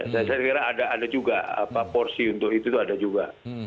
saya kira ada juga porsi untuk itu ada juga